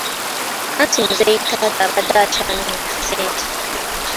Anti muzeeyi taata abadde akyanoonya ssente.